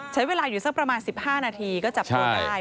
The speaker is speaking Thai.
ใช้เวลาอยู่สักประมาณ๑๕นาทีก็จับตัวได้